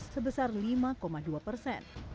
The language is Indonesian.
sebesar lima dua persen